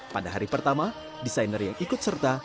pada hari pertama desainer yang ikut serta